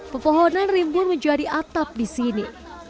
pepohonan rimbun menjadi atap di sini